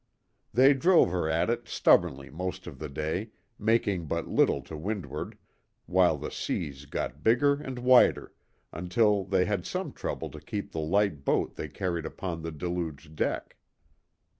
They drove her at it stubbornly most of the day, making but little to windward, while the seas got bigger and whiter, until they had some trouble to keep the light boat they carried upon the deluged deck.